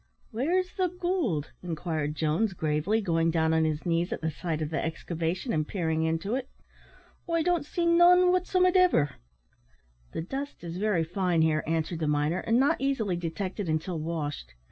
"Where's the gold?" inquired Jones, gravely, going down on his knees at the side of the excavation, and peering into it. "I don't see none, wotsomediver." "The dust is very fine here," answered the miner, "and not easily detected until washed.